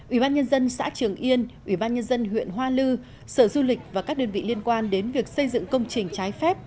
ủy ban nhân dân xã trường yên ủy ban nhân dân huyện hoa lư sở du lịch và các đơn vị liên quan đến việc xây dựng công trình trái phép